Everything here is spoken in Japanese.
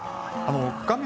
画面